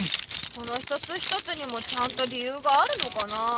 その一つ一つにもちゃんと理ゆうがあるのかなあ？